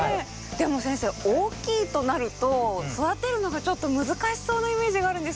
でも先生大きいとなると育てるのがちょっと難しそうなイメージがあるんですけど。